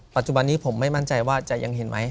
ปัจจุบันนี้ผมไม่มั่นใจว่าจะยังเห็นไหม